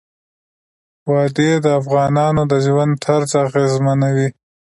وادي د افغانانو د ژوند طرز اغېزمنوي.